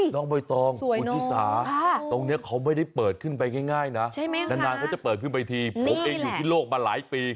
น้องใบตองคุณชิสาตรงนี้เขาไม่ได้เปิดขึ้นไปง่ายนะนานเขาจะเปิดขึ้นไปทีผมเองอยู่ที่โลกมาหลายปี